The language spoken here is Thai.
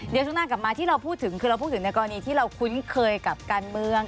เดี๋ยวช่วงหน้ากลับมาที่เราพูดถึงคือเราพูดถึงในกรณีที่เราคุ้นเคยกับการเมือง